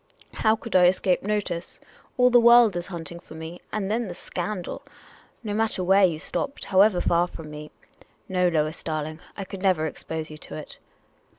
"How could I escape notice? All the world is hunting for me. And then the scandal ! No matter where you stopped — however far from me — no, Lois darling, I could never expose you to it."